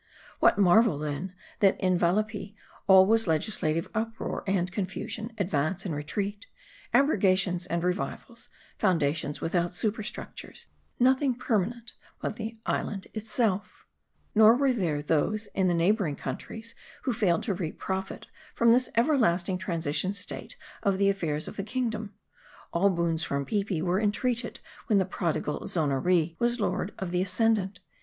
What marvel then, that in Valapee all was legislative uproar and confusion ; advance and retreat ; abrogations and revivals ; foundations without superstructures ; nothing permanent but the island itself, Nor were there those in the neighboring countries, who failed to reap profit from this everlasting transition state of the affairs of the kingdom. All boons from Peepi were en treated when the prodigal Zonoree was lord of the ascend ant.